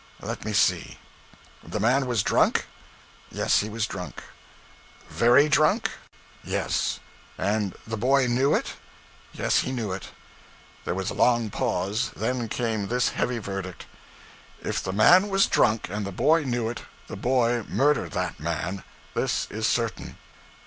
'Let me see. The man was drunk?' 'Yes, he was drunk.' 'Very drunk?' 'Yes.' 'And the boy knew it?' 'Yes, he knew it.' There was a long pause. Then came this heavy verdict 'If the man was drunk, and the boy knew it, the boy murdered that man. This is certain.'